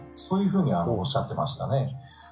そういうふうにおっしゃっていましたね。